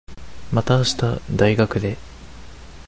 また明日、大学で。